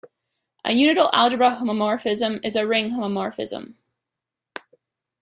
A unital algebra homomorphism is a ring homomorphism.